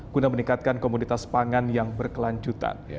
guna meningkatkan komoditas pangan yang berkelanjutan